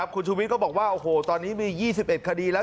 คุณชูวิทย์ก็บอกว่าโอ้โหตอนนี้มี๒๑คดีแล้ว